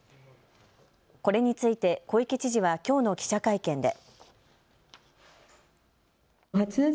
これについて小池知事はきょうの記者会見で。